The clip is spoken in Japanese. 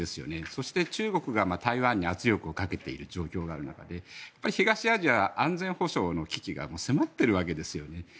そして中国が台湾に圧力をかけている状況がある中で東アジア、安全保障の危機が迫っているわけですよね。